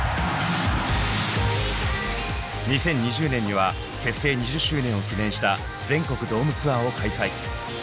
２０２０年には結成２０周年を記念した全国ドームツアーを開催。